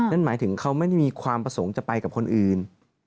นั่นหมายถึงเขาไม่ได้มีความประสงค์จะไปกับคนอื่น